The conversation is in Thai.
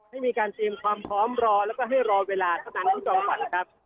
ให้มีการเตรียมความพร้อมรอแล้วก็ให้รอเวลาเท่านั้นคุณจอมฝันครับ